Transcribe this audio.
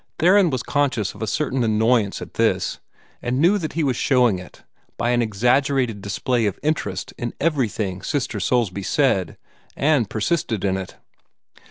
Theron was conscious of a certain annoyance at this, and knew that he was showing it by an exaggerated display of interest in everything Sister Soulsby said, and persisted in it.